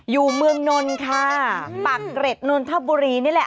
อยู่เมืองนนท์ค่ะปากเกร็ดนนทบุรีนี่แหละ